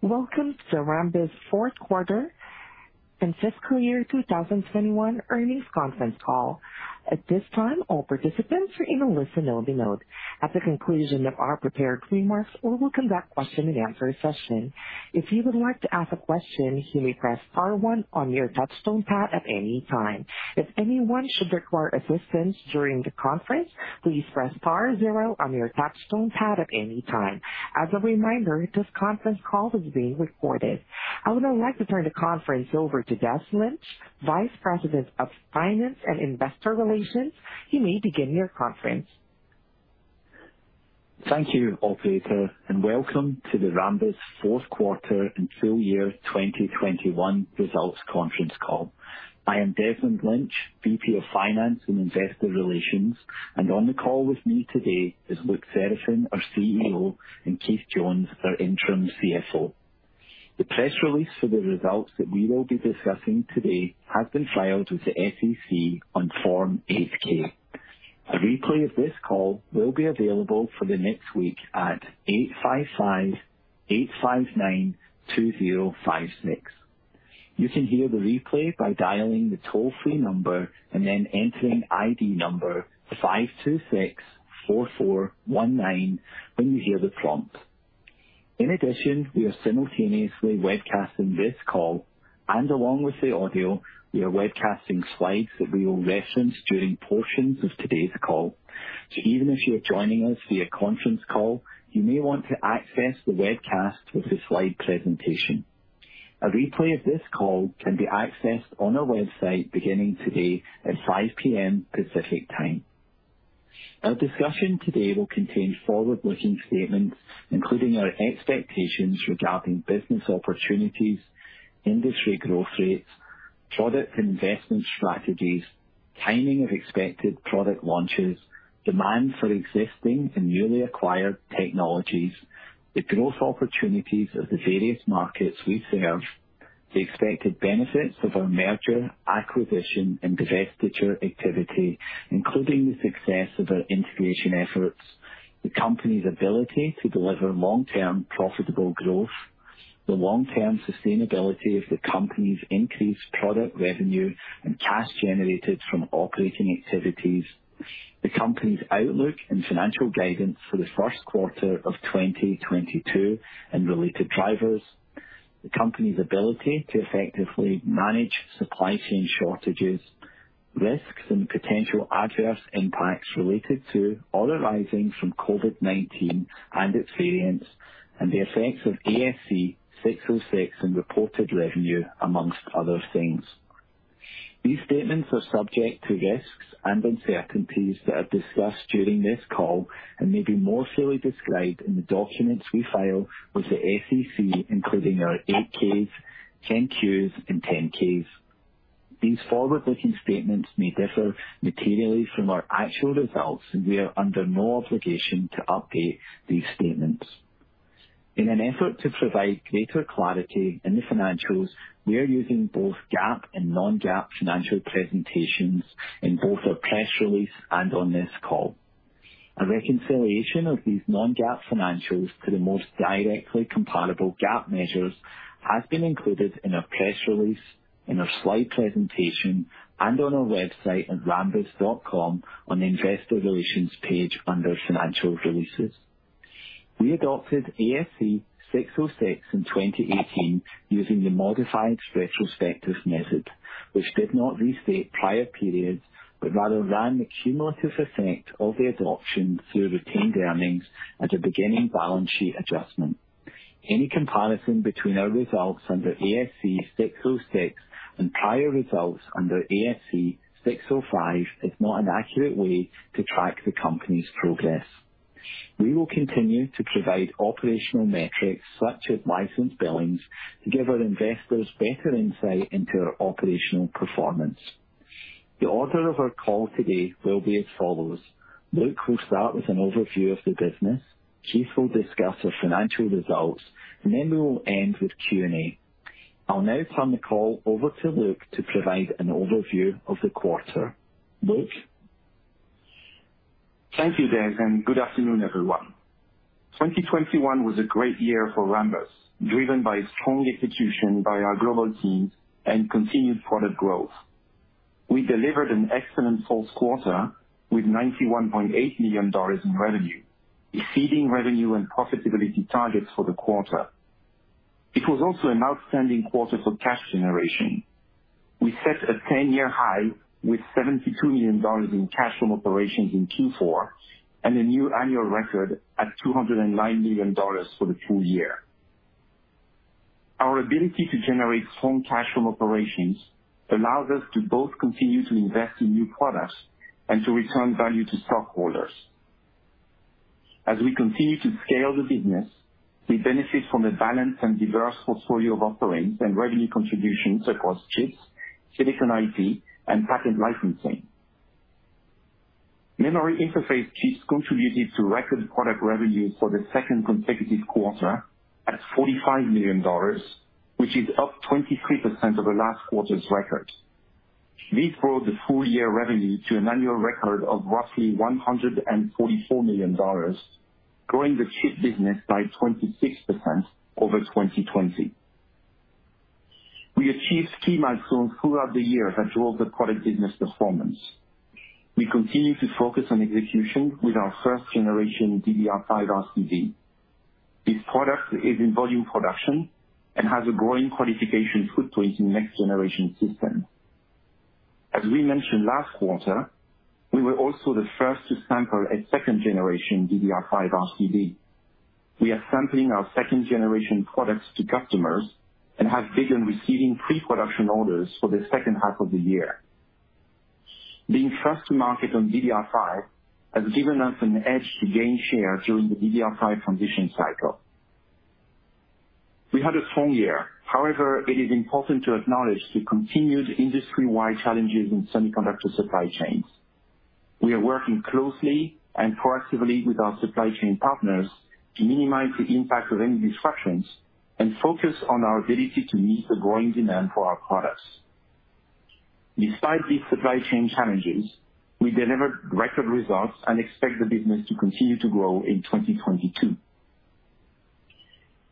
Welcome to Rambus' fourth quarter and fiscal year 2021 earnings conference call. At this time, all participants are in a listen-only mode. At the conclusion of our prepared remarks, we will conduct question and answer session. If you would like to ask a question, you may press star one on your touch tone pad at any time. If anyone should require assistance during the conference, please press star zero on your touch tone pad at any time. As a reminder, this conference call is being recorded. I would now like to turn the conference over to Desmond Lynch, Vice President of Finance and Investor Relations. You may begin your conference. Thank you, operator, and welcome to the Rambus fourth quarter and full year 2021 results conference call. I am Desmond Lynch, VP of Finance and Investor Relations, and on the call with me today is Luc Seraphin, our CEO, and Keith Jones, our interim CFO. The press release for the results that we will be discussing today has been filed with the SEC on Form 8-K. A replay of this call will be available for the next week at 855-859-2056. You can hear the replay by dialing the toll-free number and then entering ID number 5264419 when you hear the prompt. In addition, we are simultaneously webcasting this call, and along with the audio, we are webcasting slides that we will reference during portions of today's call. Even if you're joining us via conference call, you may want to access the webcast with the slide presentation. A replay of this call can be accessed on our website beginning today at 5:00 P.M. Pacific Time. Our discussion today will contain forward-looking statements, including our expectations regarding business opportunities, industry growth rates, product investment strategies, timing of expected product launches, demand for existing and newly acquired technologies, the growth opportunities of the various markets we serve, the expected benefits of our merger, acquisition and divestiture activity, including the success of our integration efforts, the company's ability to deliver long-term profitable growth, the long-term sustainability of the company's increased product revenue and cash generated from operating activities, the company's outlook and financial guidance for the first quarter of 2022 and related drivers, the company's ability to effectively manage supply chain shortages, risks and potential adverse impacts related to or arising from COVID-19 and its variants, and the effects of ASC 606 in reported revenue, among other things. These statements are subject to risks and uncertainties that are discussed during this call and may be more fully described in the documents we file with the SEC, including our 8-Ks, 10-Qs and 10-K. These forward-looking statements may differ materially from our actual results, and we are under no obligation to update these statements. In an effort to provide greater clarity in the financials, we are using both GAAP and non-GAAP financial presentations in both our press release and on this call. A reconciliation of these non-GAAP financials to the most directly comparable GAAP measures has been included in our press release, in our slide presentation, and on our website at rambus.com on the Investor Relations page under Financial Releases. We adopted ASC 606 in 2018 using the modified retrospective method, which did not restate prior periods, but rather ran the cumulative effect of the adoption through retained earnings as a beginning balance sheet adjustment. Any comparison between our results under ASC 606 and prior results under ASC 605 is not an accurate way to track the company's progress. We will continue to provide operational metrics such as license billings to give our investors better insight into our operational performance. The order of our call today will be as follows. Luke will start with an overview of the business, Keith will discuss our financial results, and then we will end with Q&A. I'll now turn the call over to Luc to provide an overview of the quarter. Luc? Thank you, Des, and good afternoon, everyone. 2021 was a great year for Rambus, driven by strong execution by our global teams and continued product growth. We delivered an excellent fourth quarter with $91.8 million in revenue, exceeding revenue and profitability targets for the quarter. It was also an outstanding quarter for cash generation. We set a 10-year high with $72 million in cash from operations in Q4 and a new annual record at $209 million for the full year. Our ability to generate strong cash from operations allows us to both continue to invest in new products and to return value to stockholders. As we continue to scale the business, we benefit from the balanced and diverse portfolio of offerings and revenue contributions across chips, Silicon IP, and patent licensing. Memory Interface Chips contributed to record product revenue for the second consecutive quarter at $45 million, which is up 23% over last quarter's record. We grew the full year revenue to an annual record of roughly $144 million, growing the chip business by 26% over 2020. We achieved key milestones throughout the year that drove the product business performance. We continue to focus on execution with our first generation DDR5 RCD. This product is in volume production and has a growing qualification footprint in the next generation system. As we mentioned last quarter, we were also the first to sample a second generation DDR5 RCD. We are sampling our second generation products to customers and have begun receiving pre-production orders for the second half of the year. Being first to market on DDR5 has given us an edge to gain share during the DDR5 transition cycle. We had a strong year. However, it is important to acknowledge the continued industry-wide challenges in semiconductor supply chains. We are working closely and proactively with our supply chain partners to minimize the impact of any disruptions and focus on our ability to meet the growing demand for our products. Despite these supply chain challenges, we delivered record results and expect the business to continue to grow in 2022.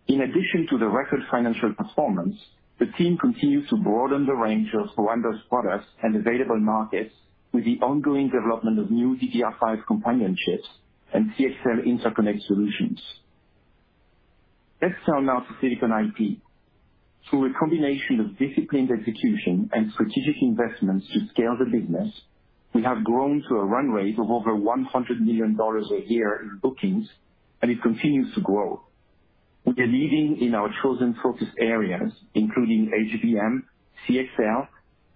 In addition to the record financial performance, the team continues to broaden the range of Rambus products and available markets with the ongoing development of new DDR5 companion chips and CXL interconnect solutions. Let's turn now to Silicon IP. Through a combination of disciplined execution and strategic investments to scale the business, we have grown to a run rate of over $100 million a year in bookings, and it continues to grow. We are leading in our chosen focus areas, including HBM, CXL,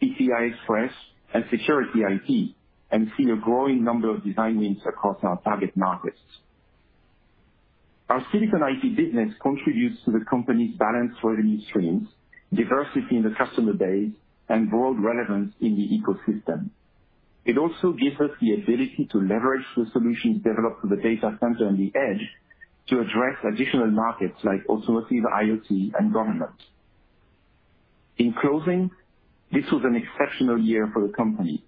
PCI Express, and security IP, and see a growing number of design wins across our target markets. Our Silicon IP business contributes to the company's balanced revenue streams, diversity in the customer base, and broad relevance in the ecosystem. It also gives us the ability to leverage the solutions developed for the data center and the edge to address additional markets like automotive, IoT, and government. In closing, this was an exceptional year for the company.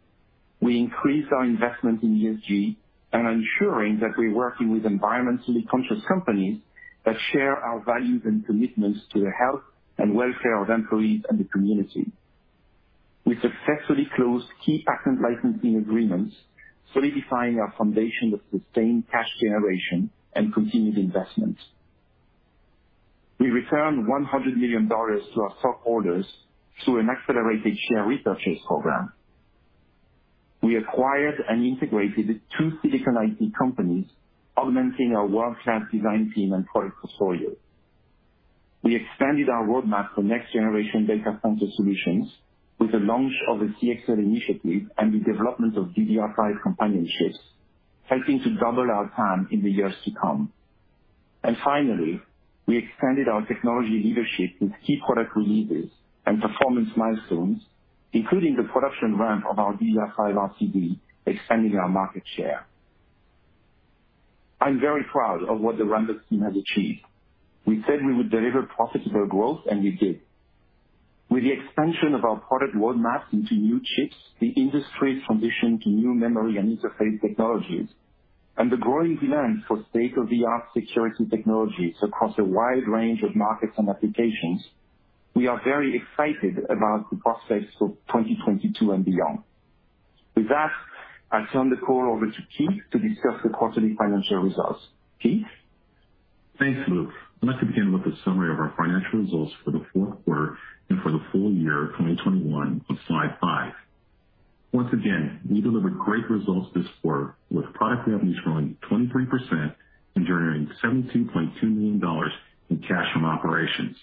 We increased our investment in ESG and ensuring that we're working with environmentally conscious companies that share our values and commitments to the health and welfare of employees and the community. We successfully closed key patent licensing agreements, solidifying our foundation of sustained cash generation and continued investment. We returned $100 million to our stockholders through an accelerated share repurchase program. We acquired and integrated two Silicon IP companies, augmenting our world-class design team and product portfolio. We expanded our roadmap for next generation data center solutions with the launch of a CXL initiative and the development of DDR5 companion chips, helping to double our TAM in the years to come. We expanded our technology leadership with key product releases and performance milestones, including the production ramp of our DDR5 RCD, expanding our market share. I'm very proud of what the Rambus team has achieved. We said we would deliver profitable growth, and we did. With the expansion of our product roadmap into new chips, the industry's transition to new memory and interface technologies, and the growing demand for state-of-the-art security technologies across a wide range of markets and applications, we are very excited about the prospects for 2022 and beyond. With that, I turn the call over to Keith to discuss the quarterly financial results. Keith? Thanks, Luc. Let me begin with a summary of our financial results for the fourth quarter and for the full year 2021 on slide 5. Once again, we delivered great results this quarter, with product revenues growing 23% and generating $72.2 million in cash from operations.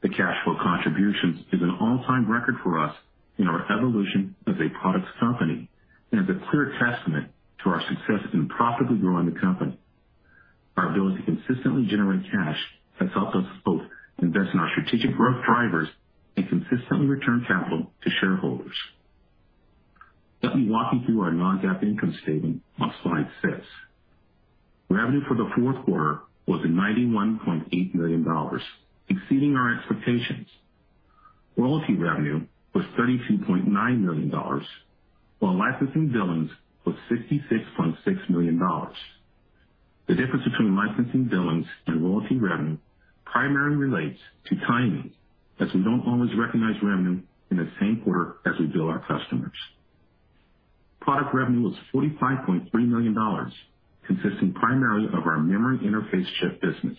The cash flow contributions is an all-time record for us in our evolution as a products company and is a clear testament to our success in profitably growing the company. Our ability to consistently generate cash has helped us both invest in our strategic growth drivers and consistently return capital to shareholders. Let me walk you through our non-GAAP income statement on slide six. Revenue for the fourth quarter was $91.8 million, exceeding our expectations. Royalty revenue was $32.9 million, while licensing billings was $66.6 million. The difference between licensing billings and royalty revenue primarily relates to timing, as we don't always recognize revenue in the same quarter as we bill our customers. Product revenue was $45.3 million, consisting primarily of our Memory Interface Chip business.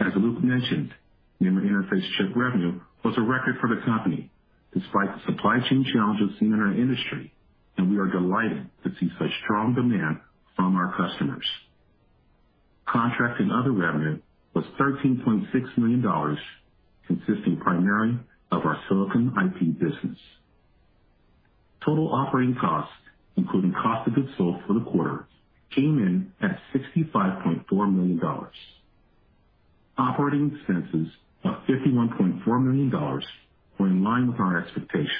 As Luc mentioned, Memory Interface Chip revenue was a record for the company, despite the supply chain challenges seen in our industry, and we are delighted to see such strong demand from our customers. Contract and other revenue was $13.6 million, consisting primarily of our Silicon IP business. Total operating costs, including cost of goods sold for the quarter, came in at $65.4 million. Operating expenses of $51.4 million were in line with our expectations.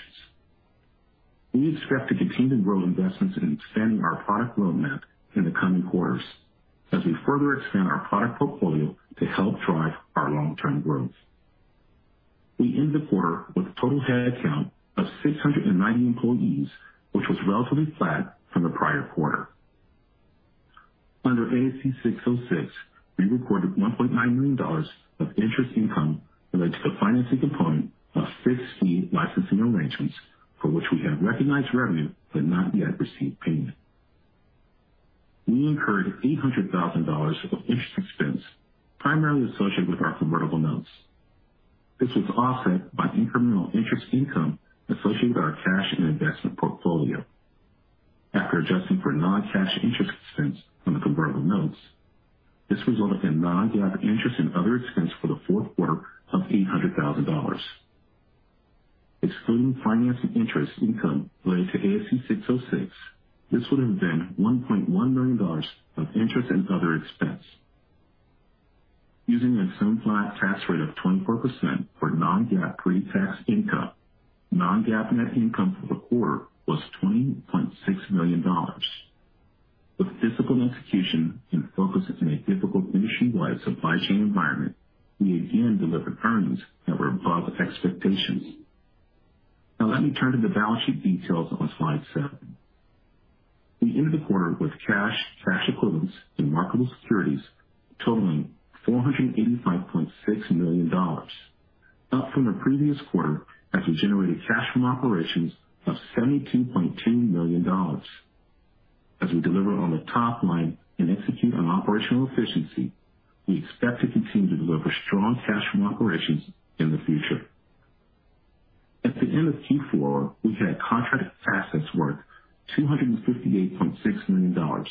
We expect to continue to grow investments in expanding our product roadmap in the coming quarters. We further expand our product portfolio to help drive our long-term growth. We end the quarter with total head count of 690 employees, which was relatively flat from the prior quarter. Under ASC 606, we recorded $1.9 million of interest income related to the financing component of six key licensing arrangements for which we have recognized revenue but not yet received payment. We incurred $800,000 of interest expense primarily associated with our convertible notes. This was offset by incremental interest income associated with our cash and investment portfolio. After adjusting for non-cash interest expense on the convertible notes, this resulted in non-GAAP interest and other expense for the fourth quarter of $800,000. Excluding financing interest income related to ASC 606, this would have been $1.1 million of interest and other expense. Using an assumed flat tax rate of 24% for non-GAAP pre-tax income, non-GAAP net income for the quarter was $20.6 million. With disciplined execution and focus in a difficult industry-wide supply chain environment, we again delivered earnings that were above expectations. Now let me turn to the balance sheet details on slide seven. We ended the quarter with cash equivalents, and marketable securities totaling $485.6 million, up from the previous quarter as we generated cash from operations of $72.2 million. As we deliver on the top line and execute on operational efficiency, we expect to continue to deliver strong cash from operations in the future. At the end of Q4, we had contract assets worth $258.6 million,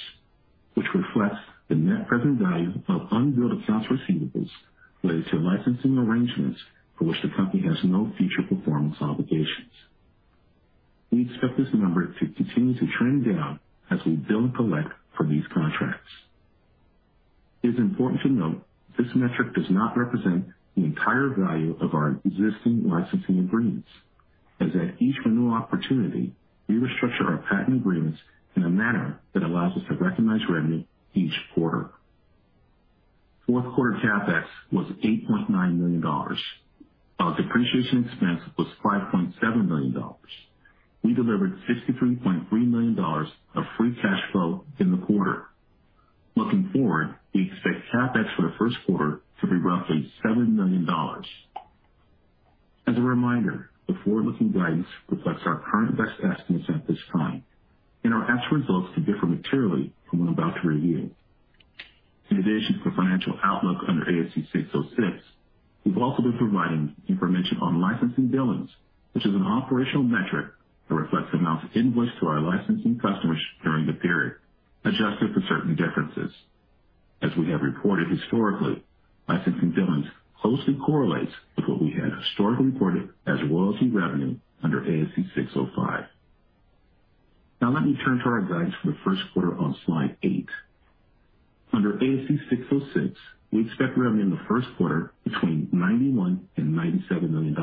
which reflects the net present value of unbilled accounts receivables related to licensing arrangements for which the company has no future performance obligations. We expect this number to continue to trend down as we bill and collect for these contracts. It is important to note this metric does not represent the entire value of our existing licensing agreements, as at each renewal opportunity, we restructure our patent agreements in a manner that allows us to recognize revenue each quarter. Fourth quarter CapEx was $8.9 million. Our depreciation expense was $5.7 million. We delivered $63.3 million of free cash flow in the quarter. Looking forward, we expect CapEx for the first quarter to be roughly $7 million. As a reminder, the forward-looking guidance reflects our current best estimates at this time, and our actual results can differ materially from what I'm about to review. In addition to the financial outlook under ASC 606, we've also been providing information on licensing billings, which is an operational metric that reflects amounts invoiced to our licensing customers during the period, adjusted for certain differences. As we have reported historically, licensing billings closely correlates with what we had historically reported as royalty revenue under ASC 605. Now let me turn to our guidance for the first quarter on slide eight. Under ASC 606, we expect revenue in the first quarter between $91 million and $97 million.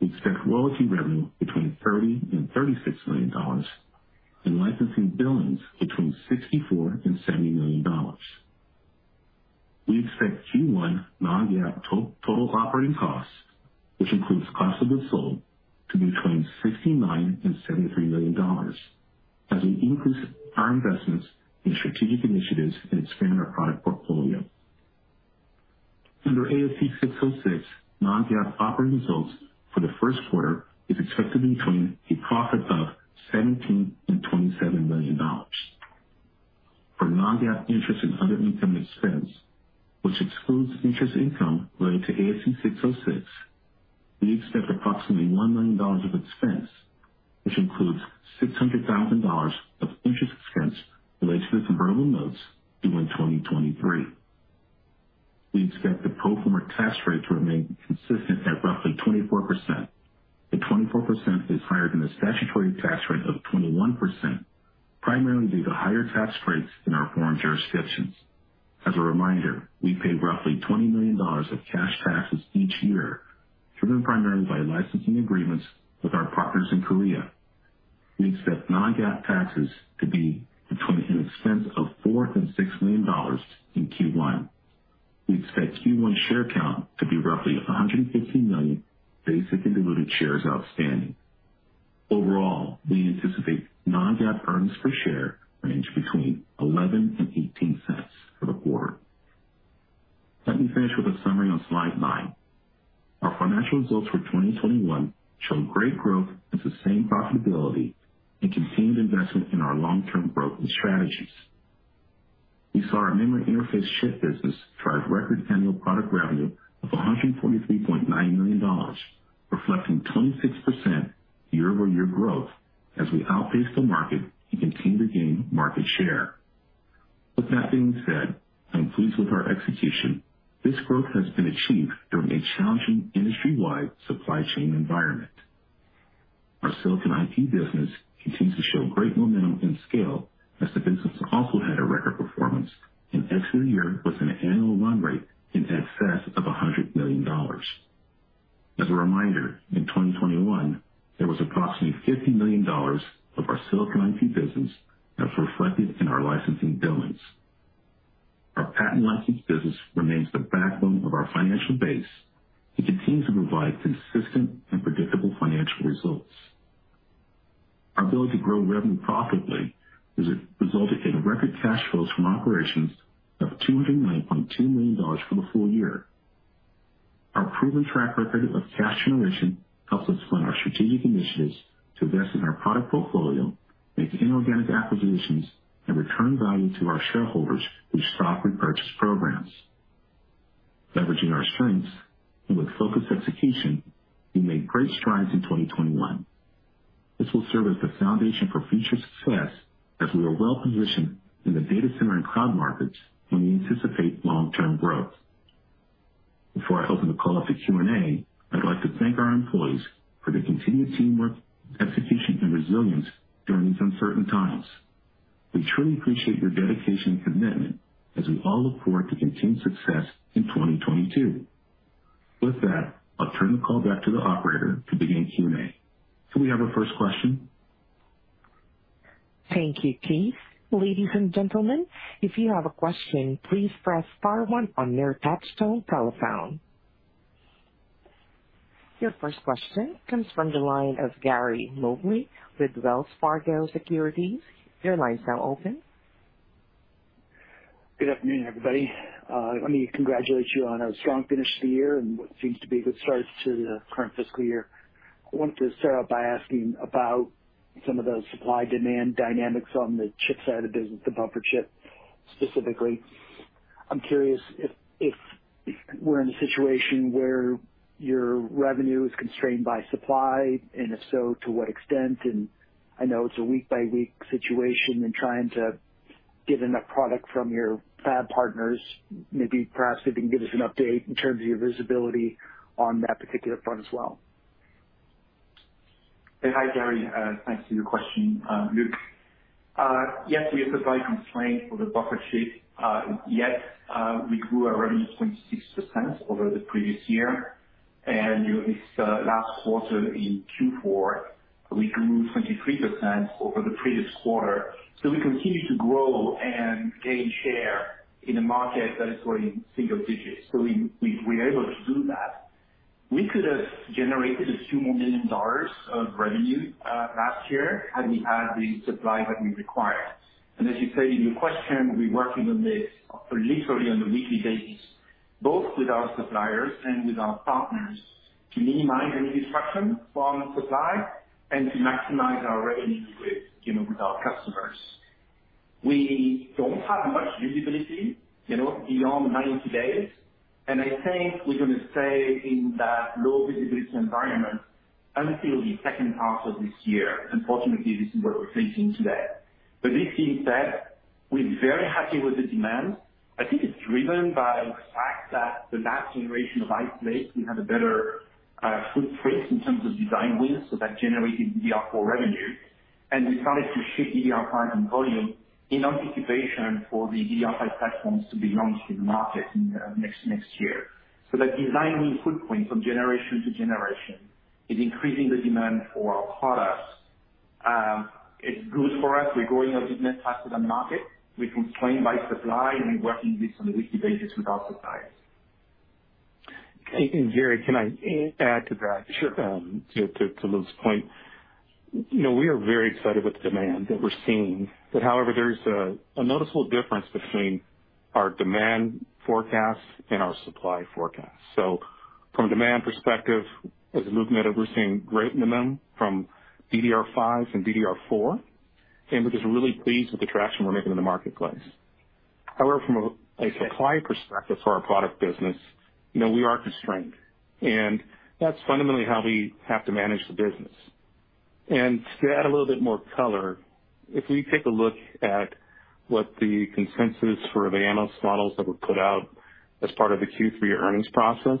We expect royalty revenue between $30 million and $36 million, and licensing billings between $64 million and $70 million. We expect Q1 non-GAAP total operating costs, which includes cost of goods sold, to be between $69-$73 million as we increase our investments in strategic initiatives and expand our product portfolio. Under ASC 606, non-GAAP operating results for the first quarter is expected between a profit of $17 million-$27 million. For non-GAAP interest and other income expense, which excludes interest income related to ASC 606, we expect approximately $1 million of expense, which includes $600,000 of interest expense related to the convertible notes due in 2023. We expect the pro forma tax rate to remain consistent at roughly 24%. The 24% is higher than the statutory tax rate of 21%, primarily due to higher tax rates in our foreign jurisdictions. As a reminder, we pay roughly $20 million of cash taxes each year, driven primarily by licensing agreements with our partners in Korea. We expect non-GAAP taxes to be between an expense of $4 million-$6 million in Q1. We expect Q1 share count to be roughly 115 million basic and diluted shares outstanding. Overall, we anticipate non-GAAP earnings per share range between 11-18 cents for the quarter. Let me finish with a summary on slide nine. Our financial results for 2021 show great growth and sustained profitability and continued investment in our long-term growth and strategies. We saw our Memory Interface Chip business drive record annual product revenue of $143.9 million, reflecting 26% year-over-year growth as we outpace the market and continue to gain market share. With that being said, I'm pleased with our execution. This growth has been achieved during a challenging industry-wide supply chain environment. Our Silicon IP business continues to show great momentum and scale as the business also had a record performance and exited the year with an annual run rate in excess of $100 million. As a reminder, in 2021, there was approximately $50 million of our Silicon IP business that was reflected in our licensing billings. Our patent license business remains the backbone of our financial base. It continues to provide consistent and predictable financial results. Our ability to grow revenue profitably resulted in record cash flows from operations of $209.2 million for the full year. Our proven track record of cash generation helps us fund our strategic initiatives to invest in our product portfolio, make inorganic acquisitions, and return value to our shareholders through stock repurchase programs. Leveraging our strengths and with focused execution, we made great strides in 2021. This will serve as the foundation for future success as we are well-positioned in the data center and cloud markets, and we anticipate long-term growth. Before I open the call up to Q&A, I'd like to thank our employees for their continued teamwork, execution, and resilience during these uncertain times. We truly appreciate your dedication and commitment as we all look forward to continued success in 2022. With that, I'll turn the call back to the operator to begin Q&A. Can we have our first question? Thank you, Keith. Ladies and gentlemen, if you have a question, please press star one on your touchtone telephone. Your first question comes from the line of Gary Mobley with Wells Fargo Securities. Your line is now open. Good afternoon, everybody. Let me congratulate you on a strong finish to the year and what seems to be a good start to the current fiscal year. I wanted to start out by asking about some of the supply/demand dynamics on the chip side of the business, the buffer chip specifically. I'm curious if we're in a situation where your revenue is constrained by supply, and if so, to what extent, and I know it's a week-by-week situation and trying to get enough product from your fab partners, maybe perhaps if you can give us an update in terms of your visibility on that particular front as well. Yeah. Hi, Gary. Thanks for your question, Luc. Yes, we have supply constraints for the buffer chip. Yet, we grew our revenue 26% over the previous year. During this last quarter in Q4, we grew 23% over the previous quarter. We continue to grow and gain share in a market that is growing single digits. We're able to do that. We could have generated a few more million dollars of revenue last year had we had the supply that we required. As you say in your question, we're working on this literally on a weekly basis, both with our suppliers and with our partners, to minimize any disruption from supply and to maximize our revenue with, you know, with our customers. We don't have much visibility, you know, beyond 90 days, and I think we're gonna stay in that low visibility environment until the second half of this year. Unfortunately, this is what we're thinking today. This being said, we're very happy with the demand. I think it's driven by the fact that the last generation of Ice Lake will have a better footprint in terms of design wins, so that generated DDR4 revenue. We started to ship DDR5 in volume in anticipation for the DDR5 platforms to be launched in the market in next year. That design footprint from generation to generation is increasing the demand for our products. It's good for us. We're growing our business faster than market. We're constrained by supply, and we're working this on a weekly basis with our suppliers. Gary, can I add to that? Sure. To Luc's point. You know, we are very excited with the demand that we're seeing. However, there's a noticeable difference between our demand forecast and our supply forecast. From a demand perspective, as Luc noted, we're seeing great demand from DDR5 and DDR4, and we're just really pleased with the traction we're making in the marketplace. However, from a supply perspective for our product business, you know, we are constrained, and that's fundamentally how we have to manage the business. To add a little bit more color, if we take a look at what the consensus for the analyst models that were put out as part of the Q3 earnings process,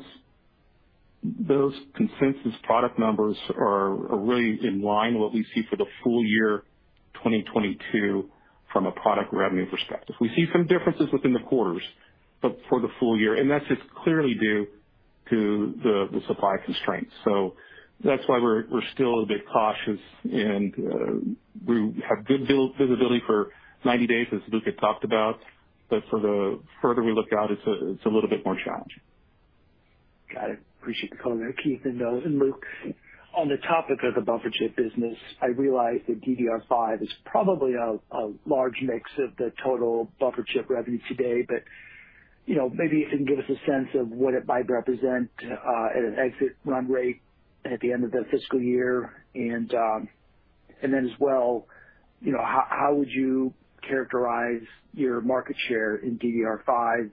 those consensus product numbers are really in line with what we see for the full year 2022 from a product revenue perspective. We see some differences within the quarters, but for the full year, and that's just clearly due to the supply constraints. That's why we're still a bit cautious and we have good build visibility for 90 days as Luc had talked about, but the further we look out, it's a little bit more challenging. Got it. Appreciate the color there, Keith and Luc. On the topic of the buffer chip business, I realize that DDR5 is probably a large mix of the total buffer chip revenue today, but you know, maybe if you can give us a sense of what it might represent at an exit run rate at the end of the fiscal year. And then as well, you know, how would you characterize your market share in DDR5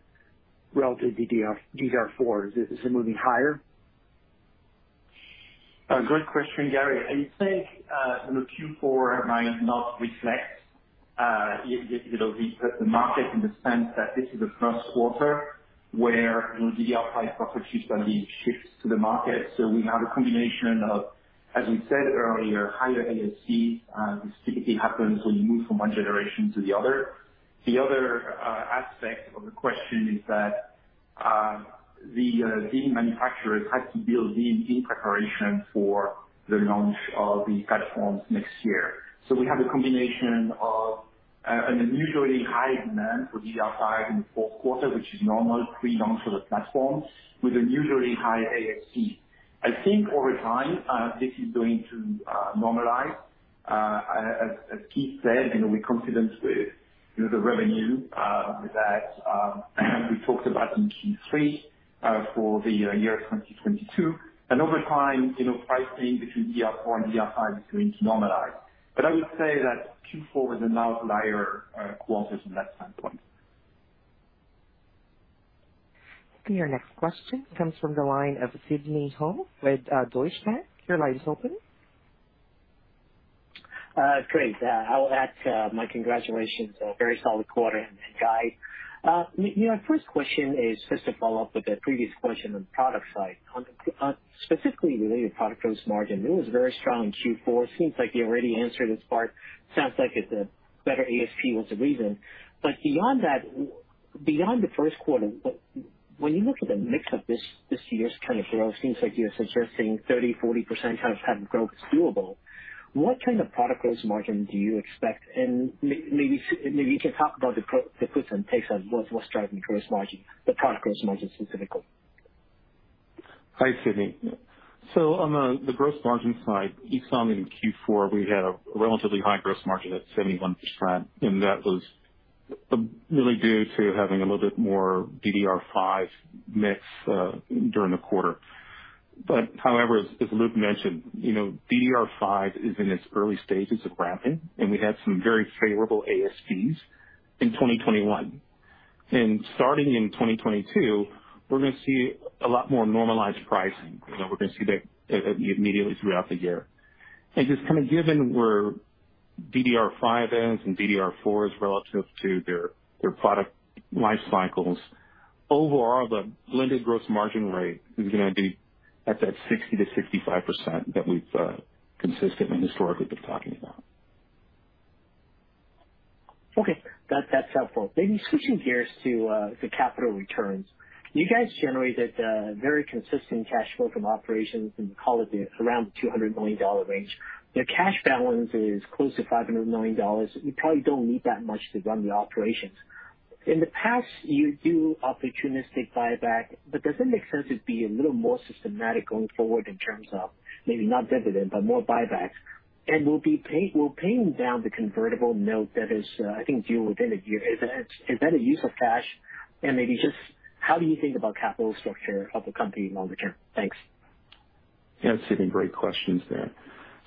relative to DDR4? Is it similarly higher? A great question, Gary. I think, you know, Q4 might not reflect, you know, the market in the sense that this is the first quarter where, you know, DDR5 buffer chips are being shipped to the market. So we have a combination of, as we said earlier, higher ASC, and this typically happens when you move from one generation to the other. The other aspect of the question is that. The DIMM manufacturers had to build DIMMs in preparation for the launch of the platforms next year. We have a combination of an unusually high demand for DDR5 in the fourth quarter, which is normal pre-launch for the platform with unusually high ASP. I think over time this is going to normalize. As Keith said, you know, we're confident with, you know, the revenue that we talked about in Q3 for the year 2022. Over time, you know, pricing between DDR4 and DDR5 is going to normalize. I would say that Q4 is an outlier quarter from that standpoint. Your next question comes from the line of Sidney Ho with Deutsche Bank. Your line is open. Great. I will add my congratulations. A very solid quarter. Guide. You know, first question is just to follow up with the previous question on the product side. On specifically related product gross margin. It was very strong in Q4. Seems like you already answered this part. Sounds like it's a better ASP was the reason. Beyond that, beyond the first quarter, but when you look at the mix of this year's kind of growth, seems like you're suggesting 30%, 40% kind of patent growth is doable. What kind of product gross margin do you expect? Maybe you can talk about the puts and takes on what's driving gross margin, the product gross margin specifically. Hi, Sidney. On the gross margin side, you saw in Q4 we had a relatively high gross margin at 71%, and that was really due to having a little bit more DDR5 mix during the quarter. However, as Luc mentioned, you know, DDR5 is in its early stages of ramping, and we had some very favorable ASPs in 2021. Starting in 2022, we're gonna see a lot more normalized pricing. You know, we're gonna see that immediately throughout the year. Just kind of given where DDR5 is and DDR4 is relative to their product life cycles. Overall, the blended gross margin rate is gonna be at that 60%-65% that we've consistently historically been talking about. Okay. That's helpful. Maybe switching gears to the capital returns. You guys generated a very consistent cash flow from operations, and we call it around $200 million range. Your cash balance is close to $500 million. You probably don't need that much to run the operations. In the past, you do opportunistic buyback, but does it make sense to be a little more systematic going forward in terms of maybe not dividend, but more buybacks? And will pay down the convertible note that is, I think, due within a year. Is that a use of cash? And maybe just how do you think about capital structure of the company longer term? Thanks. Yeah, Sidney, great questions there.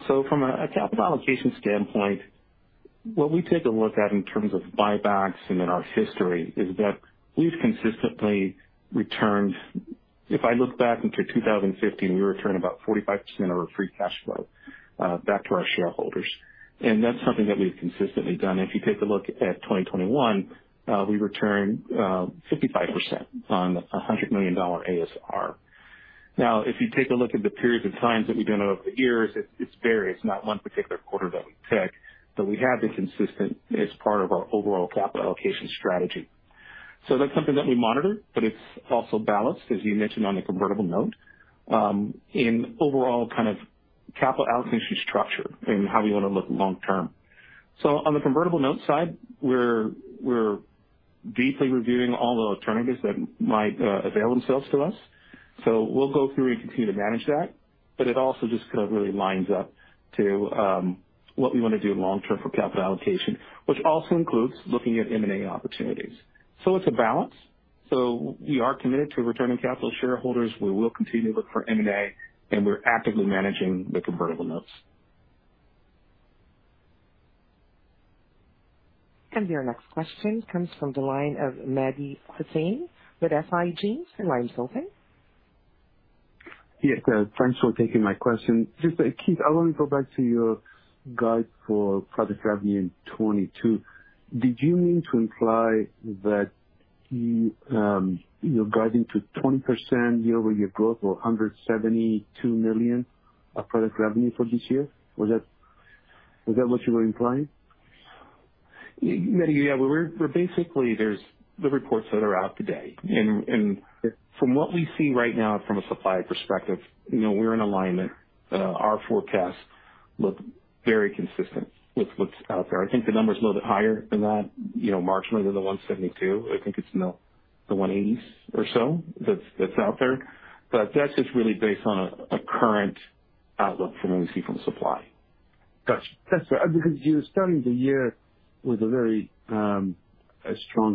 From a capital allocation standpoint, what we take a look at in terms of buybacks and in our history is that we've consistently returned. If I look back into 2015, we returned about 45% of our free cash flow back to our shareholders. That's something that we've consistently done. If you take a look at 2021, we returned 55% on a $100 million ASR. Now, if you take a look at the periods of times that we've done it over the years, it's various, not one particular quarter that we pick, but we have been consistent as part of our overall capital allocation strategy. That's something that we monitor, but it's also balanced, as you mentioned on the convertible note, in overall kind of capital allocation structure and how we wanna look long term. On the convertible note side, we're deeply reviewing all the alternatives that might avail themselves to us. We'll go through and continue to manage that. It also just kind of really lines up to what we wanna do long term for capital allocation, which also includes looking at M&A opportunities. It's a balance. We are committed to returning capital to shareholders. We will continue to look for M&A, and we're actively managing the convertible notes. Your next question comes from the line of Mehdi Hosseini with SIG. Your line's open. Yes. Thanks for taking my question. Just, Keith, I wanna go back to your guide for product revenue in 2022. Did you mean to imply that you're guiding to 20% year-over-year growth or $172 million of product revenue for this year? Was that what you were implying? Mehdi, yeah. We're basically there's the reports that are out today. From what we see right now from a supply perspective, you know, we're in alignment. Our forecasts look very consistent with what's out there. I think the number's a little bit higher than that, you know, marginally than the $172 million. I think it's in the $180s or so that's out there. That's just really based on a current outlook from what we see from supply. Gotcha. That's fair. Because you're starting the year with a very strong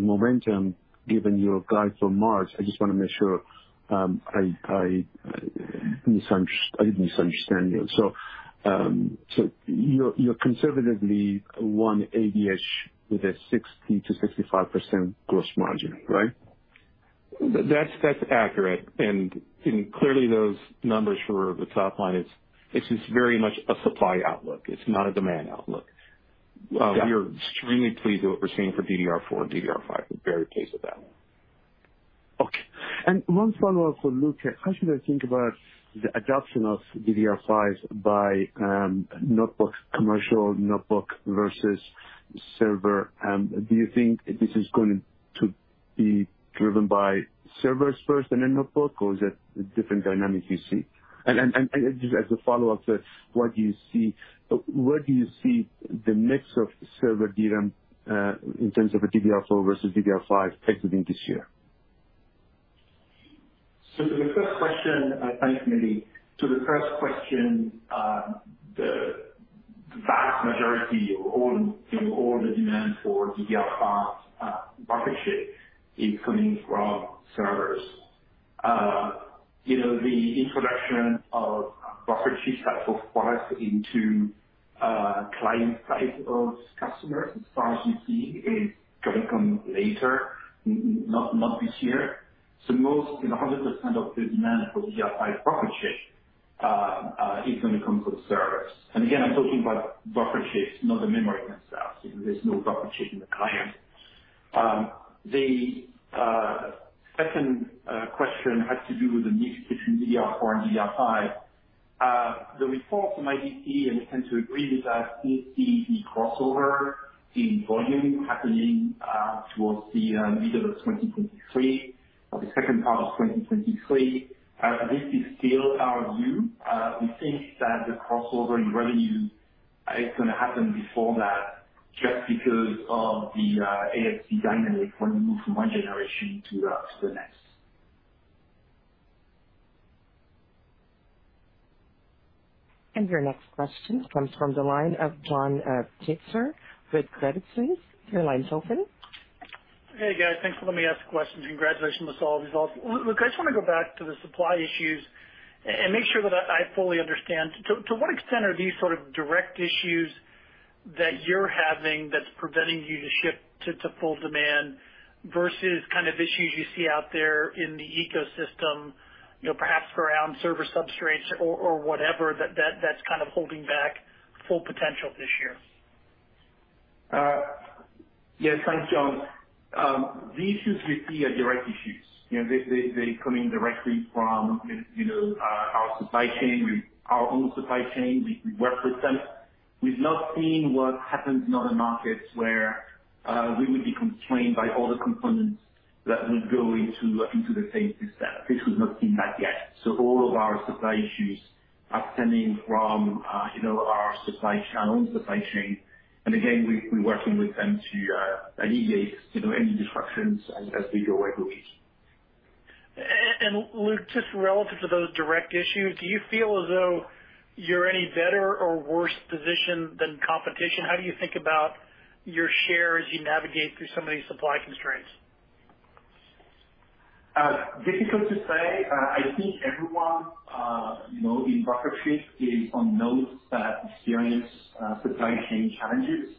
momentum given your guide for March. I just wanna make sure I didn't misunderstand you. You're conservatively $1 billion with a 60%-65% gross margin, right? That's accurate. Clearly those numbers for the top line it's just very much a supply outlook. It's not a demand outlook. Got it. We are extremely pleased with what we're seeing for DDR4 and DDR5. We're very pleased with that. Okay. One follow-up for Luc. How should I think about the adoption of DDR5 by notebooks, commercial notebook versus server? Do you think this is going to be driven by servers first in notebook, or is it a different dynamic you see? Just as a follow-up to what you see, where do you see the mix of server DRAM in terms of a DDR4 versus DDR5 taking in this year? For the first question, thanks, Mehdi. The first question, the vast majority of all the demand for DDR5 buffer chip is coming from servers. You know, the introduction of buffer chip type of products into client type of customers, as far as we see, is gonna come later, not this year. Most, you know, 100% of the demand for DDR5 buffer chip is gonna come from servers. And again, I'm talking about buffer chips, not the memory themselves, you know. There's no buffer chip in the client. The second question had to do with the mix between DDR4 and DDR5. The reports from IDC, and we tend to agree with that, is the crossover in volume happening towards the middle of 2023 or the second half of 2023. This is still our view. We think that the crossover in revenue is gonna happen before that just because of the ASP dynamic when you move from one generation to the next. Your next question comes from the line of John Pitzer with Credit Suisse. Your line's open. Hey, guys. Thanks for letting me ask questions. Congratulations on the solid results. Luc, I just wanna go back to the supply issues and make sure that I fully understand. To what extent are these sort of direct issues that you're having that's preventing you to ship to full demand versus kind of issues you see out there in the ecosystem, you know, perhaps around server substrates or whatever, that's kind of holding back full potential this year? Yes, thanks, John. The issues we see are direct issues. You know, they coming directly from, you know, our supply chain, with our own supply chain. We work with them. We've not seen what happens in other markets where we would be constrained by all the components that would go into the same system. We've not seen that yet. So all of our supply issues are stemming from, you know, our supply channels, supply chain. Again, we working with them to alleviate, you know, any disruptions as we go every week. Luc, just relative to those direct issues, do you feel as though you're any better or worse positioned than competition? How do you think about your share as you navigate through some of these supply constraints? Difficult to say. I think everyone, you know, in buffer chip is one of those that experience supply chain challenges,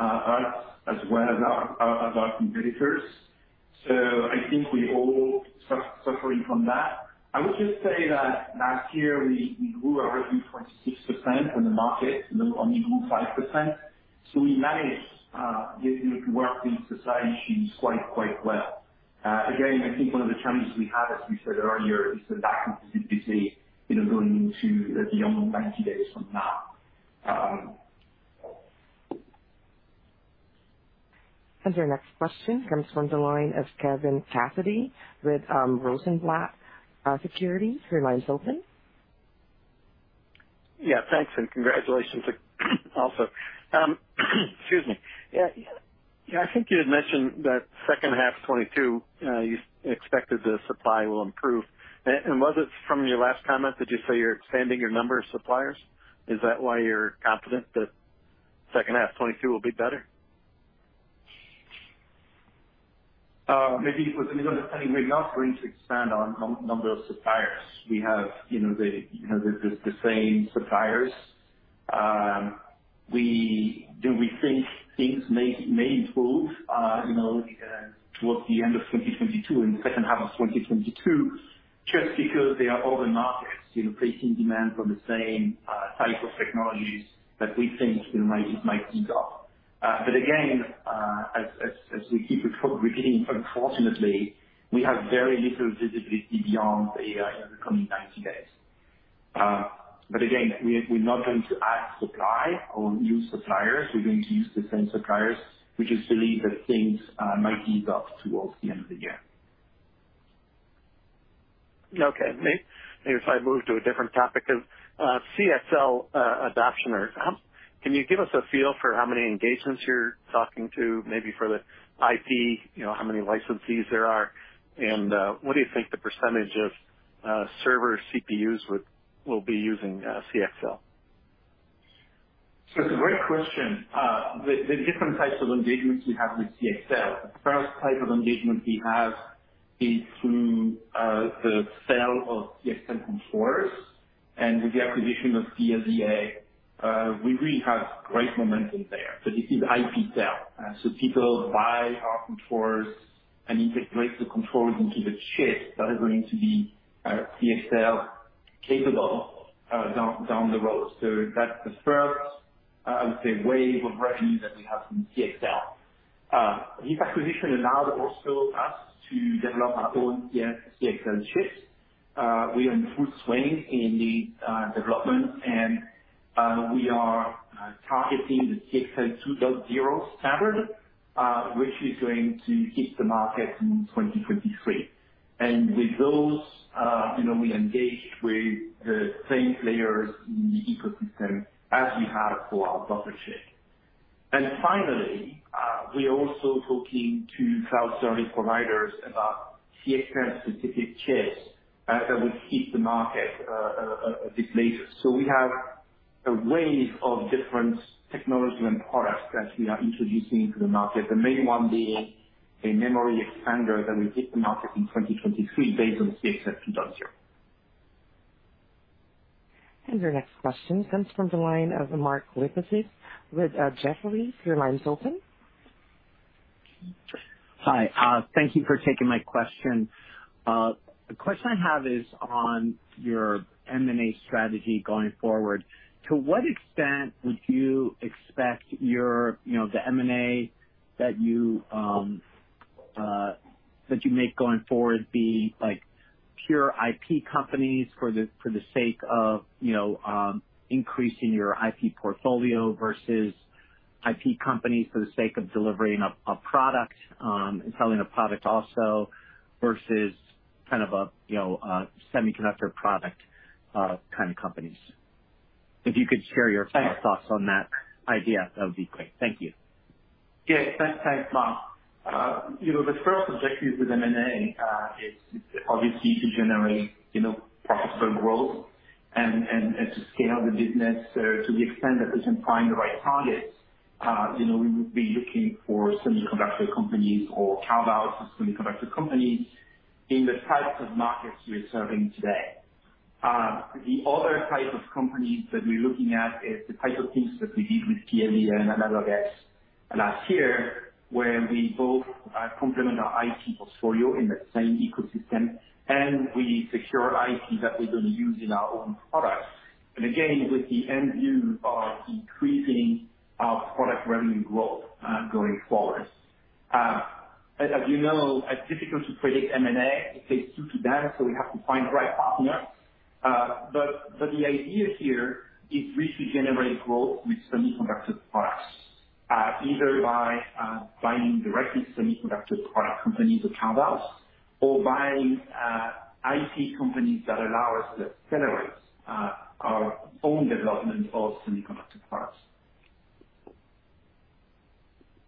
us as well as our competitors. I think we all suffering from that. I would just say that last year we grew our revenue 26%, and the market only grew 5%. We managed, you know, to work these supply chains quite well. Again, I think one of the challenges we have, as we said earlier, is the visibility, you know, going into the unknown 90 days from now. Your next question comes from the line as Kevin Cassidy with Rosenblatt Securities. Your line's open. Yeah. Thanks, and congratulations also. Excuse me. Yeah. I think you had mentioned that second half 2022, you expected the supply will improve. Was it from your last comment that you say you're expanding your number of suppliers? Is that why you're confident that second half 2022 will be better? Maybe put another way, we're not going to expand on number of suppliers. We have, you know, the same suppliers. We think things may improve, you know, towards the end of 2022, in the second half of 2022, just because there are other markets, you know, placing demand from the same type of technologies that we think, you know, might ease up. Again, as we keep repeating, unfortunately, we have very little visibility beyond the coming 90 days. Again, we're not going to add supply or new suppliers. We're going to use the same suppliers. We just believe that things might ease up towards the end of the year. Okay. Maybe if I move to a different topic of CXL adoption. Can you give us a feel for how many engagements you're talking to, maybe for the IP, you know, how many licensees there are? What do you think the percentage of server CPUs will be using CXL? It's a great question. The different types of engagements we have with CXL. The first type of engagement we have is through the sale of CXL controllers. With the acquisition of PLDA, we really have great momentum there. This is IP sale. People buy our controllers and integrate the controllers into the chip that is going to be CXL capable down the road. That's the first, I would say, wave of revenue that we have from CXL. This acquisition allowed also us to develop our own CXL chips. We are in full swing in the development and we are targeting the CXL 2.0 standard, which is going to hit the market in 2023. With those, you know, we engaged with the same players in the ecosystem as we have for our buffer chip. Finally, we are also talking to cloud service providers about CXL specific chips that will hit the market a bit later. We have a range of different technology and products that we are introducing to the market, the main one being a memory expander that will hit the market in 2023 based on CXL 2.0. Your next question comes from the line of Mark Lipacis with Jefferies. Your line's open. Hi. Thank you for taking my question. The question I have is on your M&A strategy going forward. To what extent would you expect your, you know, the M&A that you make going forward be, like, pure IP companies for the sake of, you know, increasing your IP portfolio versus IP companies for the sake of delivering a product and selling a product also versus kind of a, you know, a semiconductor product, kind of companies? If you could share your thoughts on that idea, that would be great. Thank you. Yes. Thanks, Mark. You know, the first objective with M&A is obviously to generate, you know, profitable growth and to scale the business to the extent that we can find the right targets. You know, we would be looking for semiconductor companies or carve-outs of semiconductor companies in the types of markets we are serving today. The other type of companies that we're looking at is the type of things that we did with PLDA and AnalogX last year, where we both complement our IP portfolio in the same ecosystem, and we secure IP that we're gonna use in our own products. Again, with the end view of increasing our product revenue growth going forward. As you know, it's difficult to predict M&A. It takes two to dance, so we have to find the right partner. The idea here is really to generate growth with semiconductor products, either by buying directly semiconductor product companies or carve-outs or buying IT companies that allow us to accelerate our own development of semiconductor products.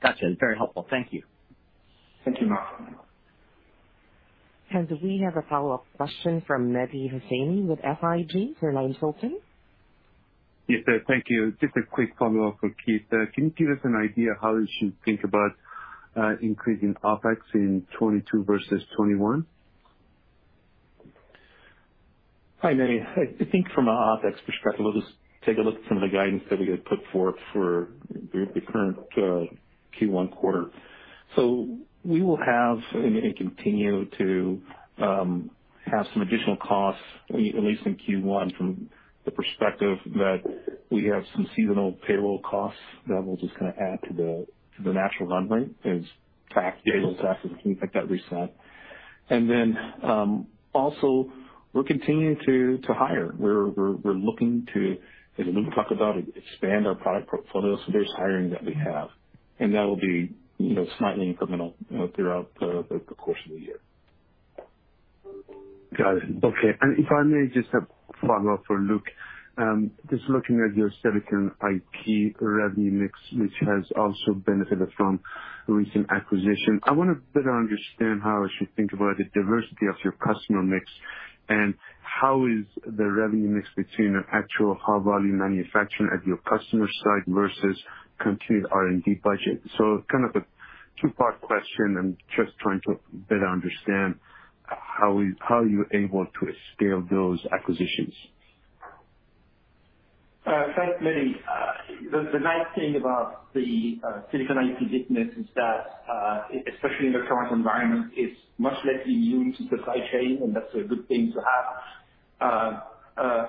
Gotcha. Very helpful. Thank you. Thank you, Mark. We have a follow-up question from Mehdi Hosseini with SIG. Your line's open. Yes, thank you. Just a quick follow-up for Keith. Can you give us an idea how we should think about increasing OpEx in 2022 versus 2021? Hi, Mehdi. I think from an OpEx perspective, I'll just take a look at some of the guidance that we had put forth for the current Q1 quarter. We will have and continue to have some additional costs, at least in Q1, from the perspective that we have some seasonal payroll costs that will just kind of add to the natural run rate as tax tables and things like that reset. Then, also we're continuing to hire. We're looking to, as Luc talked about, expand our product portfolio, so there's hiring that we have. That'll be, you know, slightly incremental throughout the course of the year. Got it. Okay. If I may just have follow up for Luc. Just looking at your Silicon IP revenue mix, which has also benefited from recent acquisition. I wanna better understand how I should think about the diversity of your customer mix, and how is the revenue mix between actual high-value manufacturing at your customer site versus continued R&D budget. So kind of a two-part question. I'm just trying to better understand how you're able to scale those acquisitions. Thanks, Mehdi. The nice thing about the Silicon IP business is that, especially in the current environment, it's much less immune to supply chain, and that's a good thing to have.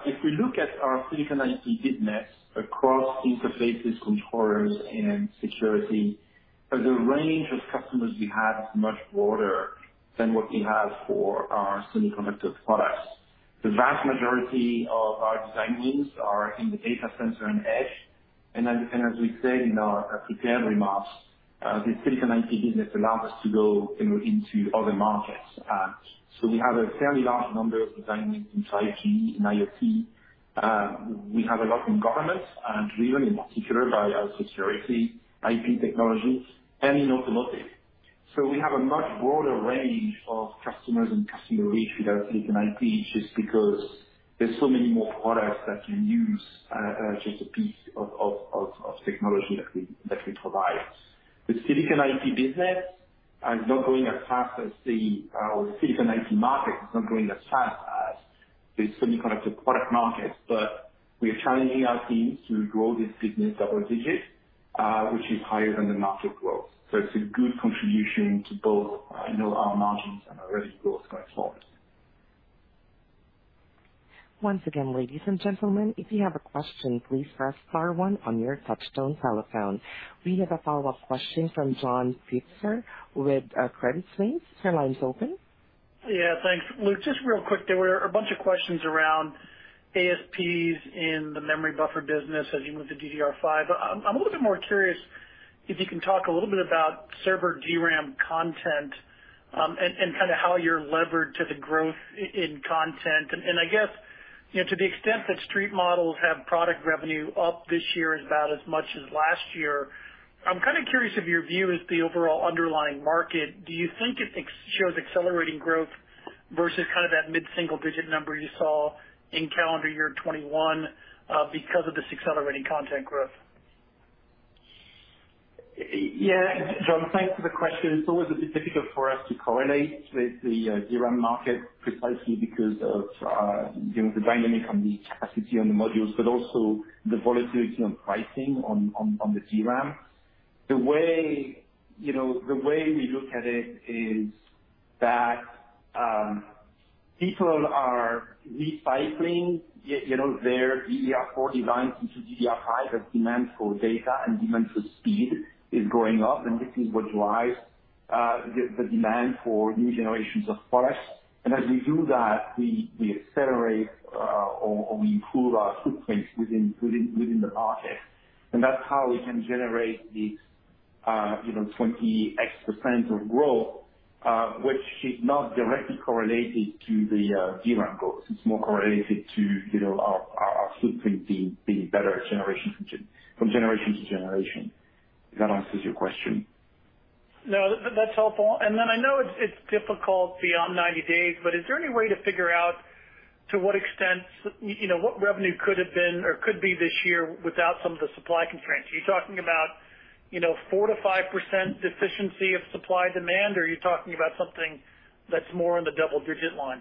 If we look at our Silicon IP business across interfaces, controllers, and security, the range of customers we have is much broader than what we have for our semiconductor products. The vast majority of our design wins are in the data center and edge. As we said in our prepared remarks, the Silicon IP business allows us to go, you know, into other markets. We have a fairly large number of design wins in IT, in IoT. We have a lot in government, and driven in particular by our security IP technologies and in automotive. We have a much broader range of customers and customer reach with our Silicon IP, just because there are so many more products that can use just a piece of technology that we provide. The Silicon IP market is not growing as fast as the semiconductor product market. We are challenging our teams to grow this business double digits, which is higher than the market growth. It's a good contribution to both our margins and our revenue growth going forward. Once again, ladies and gentlemen, if you have a question, please press star one on your touchtone telephone. We have a follow-up question from John Pitzer with Credit Suisse. Your line is open. Yeah, thanks. Luc, just real quick. There were a bunch of questions around ASPs in the memory buffer business as you move to DDR5. I'm a little bit more curious if you can talk a little bit about server DRAM content, and kinda how you're levered to the growth in content. I guess, you know, to the extent that street models have product revenue up this year about as much as last year, I'm kinda curious of your view is the overall underlying market. Do you think it exhibits accelerating growth versus kind of that mid-single digit number you saw in calendar year 2021, because of this accelerating content growth? Yeah. John, thanks for the question. It's always a bit difficult for us to correlate with the DRAM market precisely because of you know, the dynamic on the capacity on the modules, but also the volatility on pricing on the DRAM. The way you know, the way we look at it is that people are recycling yet you know, their DDR4 designs into DDR5 as demand for data and demand for speed is going up, and this is what drives the demand for new generations of products. As we do that, we accelerate or we improve our footprint within the market. That's how we can generate the you know, 20% growth which is not directly correlated to the DRAM growth. It's more correlated to, you know, our footprint being better generation from generation to generation, if that answers your question. No, that's helpful. I know it's difficult beyond 90 days, but is there any way to figure out to what extent, you know, what revenue could have been or could be this year without some of the supply constraints? Are you talking about, you know, 4%-5% deficiency of supply demand, or are you talking about something that's more in the double-digit line?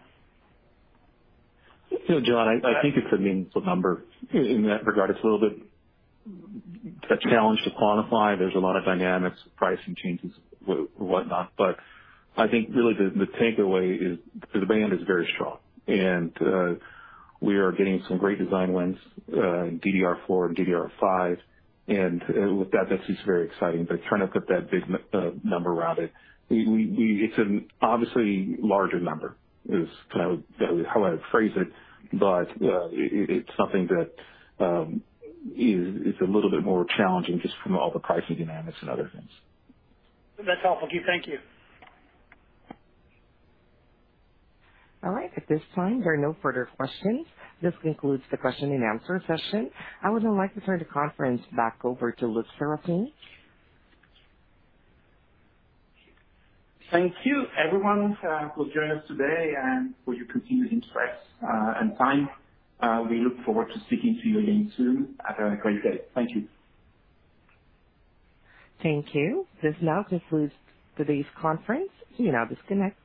You know, John, I think it's a meaningful number. In that regard, it's a little bit. It's a challenge to quantify. There's a lot of dynamics, pricing changes whatnot. I think really the takeaway is the demand is very strong, and we are getting some great design wins in DDR4 and DDR5. With that's just very exciting. Trying to put that big number around it. It's an obviously larger number, is kind of how I would phrase it. It's something that is a little bit more challenging just from all the pricing dynamics and other things. That's helpful, Keith. Thank you. All right. At this time, there are no further questions. This concludes the question and answer session. I would now like to turn the conference back over to Luc Seraphin. Thank you, everyone, who joined us today and for your continued interest, and time. We look forward to speaking to you again soon. Have a great day. Thank you. Thank you. This now concludes today's conference. You may now disconnect.